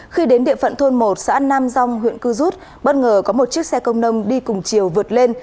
khi đến địa phận thôn một xã nam rong huyện cư rút bất ngờ có một chiếc xe công nông đi cùng chiều vượt lên